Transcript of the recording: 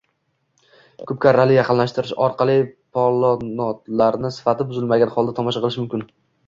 Ko‘p karrali yaqinlashtirish orqali polotnolarni sifati buzilmagan holda tomosha qilish mumkin